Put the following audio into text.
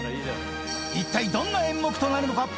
一体どんな演目となるのか。